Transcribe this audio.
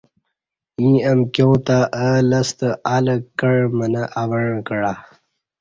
ییں امکیاں تہ اہ لستہ الہ کع منہ اوعں کعہ